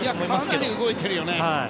かなり動いてるよね。